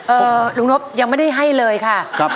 เออลุงนบยังไม่ได้ให้เลยค่ะ